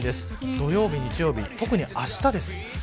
土曜日、日曜日特にあしたです。